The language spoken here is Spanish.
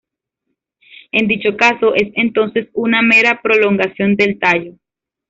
En dicho caso, es entonces una mera prolongación del tallo.